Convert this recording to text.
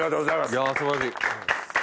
いや素晴らしい。